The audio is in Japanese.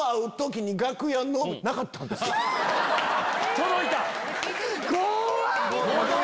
届いた！